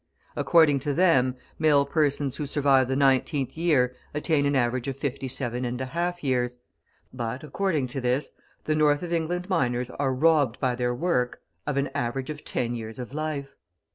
According to them, male persons who survive the nineteenth year attain an average of 57.5 years; but, according to this, the North of England miners are robbed by their work of an average of ten years of life.